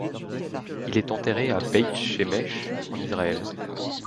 Il est enterré à Beit Shemesh, en Israël.